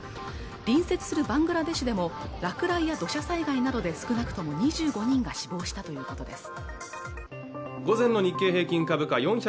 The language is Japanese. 隣接するバングラデシュでも落雷や土砂災害などで少なくとも２５人が死亡したということです